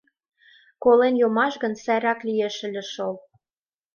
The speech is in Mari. Колен йомаш гын, сайрак лиеш ыле шол.